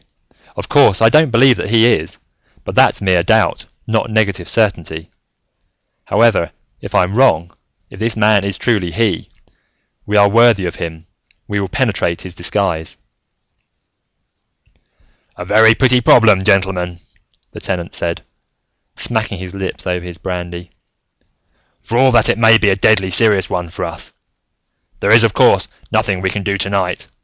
Of course, I don't believe that he is, but that's mere doubt, not negative certainty. However, if I'm wrong, if this man is truly He, we are worthy of him, we will penetrate his disguise." "A very pretty problem, gentlemen," the Tenant said, smacking his lips over his brandy, "for all that it may be a deadly serious one for us. There is, of course, nothing we can do tonight.